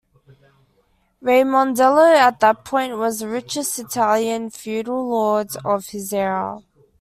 Raimondello at that point was the richest Italian feudal lord of his era.